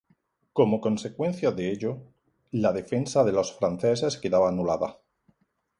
Como consecuencia de ello, la defensa de los franceses quedaba anulada.